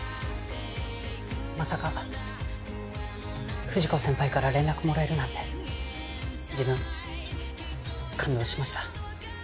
まさか不二子先輩から連絡もらえるなんて自分感動しました。